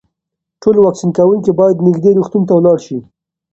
ټول واکسین کوونکي باید نږدې روغتون ته لاړ شي.